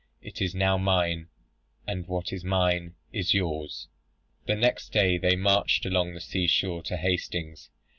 It is now mine; and what is mine is yours.' "The next day they marched along the sea shore to Hastings.